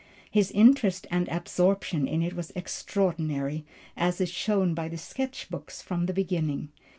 His interest and absorption in it was extraordinary, as is shown by the sketch books from the beginning.